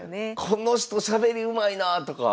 この人しゃべりうまいなとか。